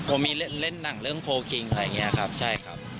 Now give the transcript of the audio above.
พอมีเล่นหนังเรื่องโฟลกิงอะไรอย่างนี้ครับใช่ครับ